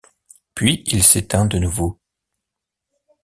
Puis il s’éteint de nouveau.